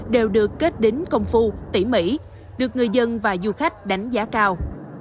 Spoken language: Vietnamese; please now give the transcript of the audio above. đều được kết đến công phu tỉ mỉ được người dân và du khách đánh giá cao